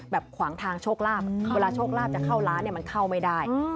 ขวางทางโชคลาภเวลาโชคลาภจะเข้าร้านมันเข้าไม่ได้